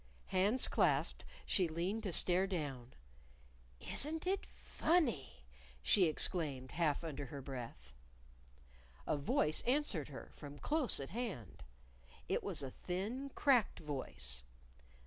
Hands clasped, she leaned to stare down. "Isn't it funny!" she exclaimed half under her breath. A voice answered her from close at hand. It was a thin, cracked voice.